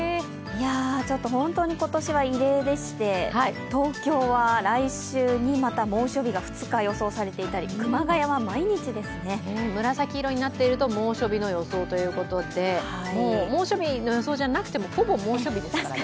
本当に今年は異例でして東京は来週も猛暑日が２日予想されていたり、紫色になっている猛暑日の予想ということでもう猛暑日の予想じゃなくてもほぼ猛暑日ですからね。